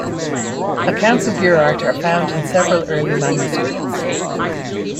Accounts of Girart are found in several early manuscripts.